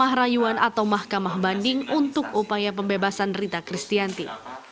mahkamah rayuan atau mahkamah banding untuk upaya pembebasan rita kristianti